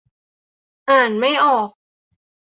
อ่านไม่ออก